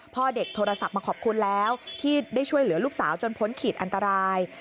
พ่อเด็กโทรศัพท์มาขอบคุณแล้วที่ได้ช่วยเหลือลูกสาวจนพ้นขีดอันตราย